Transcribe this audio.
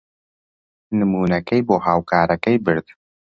نموونەکەی بۆ هاوکارەکەی برد.